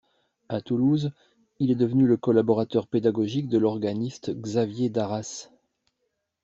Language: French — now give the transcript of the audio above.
À Toulouse, il est devenu le collaborateur pédagogique de l'organiste Xavier Darasse.